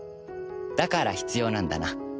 だから必要なんだな。